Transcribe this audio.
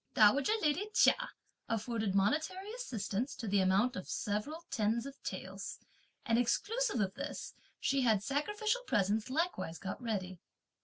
Dowager lady Chia afforded monetary assistance to the amount of several tens of taels; and exclusive of this, she had sacrificial presents likewise got ready.